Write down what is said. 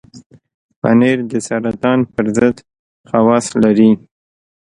پنېر د سرطان پر ضد خواص لري.